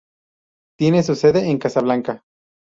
Tiene su sede en Casablanca.